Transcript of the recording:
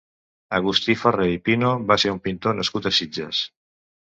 Agustí Ferrer i Pino va ser un pintor nascut a Sitges.